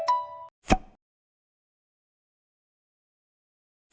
ตอนนี้หลอดมากขึ้น